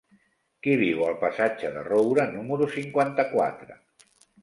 Qui viu al passatge de Roura número cinquanta-quatre?